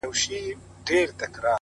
هغه وايي يو درد مي د وزير پر مخ گنډلی _